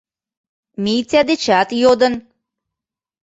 Митя дечат йодын.